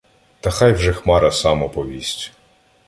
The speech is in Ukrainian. Та хай вже Хмара сам оповість.